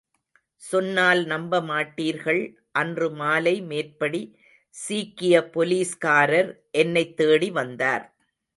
சொன்னால் நம்பமாட்டீர்கள், அன்று மாலை மேற்படி சீக்கியபோலீஸ்காரர் என்னைத் தேடி வந்தார்.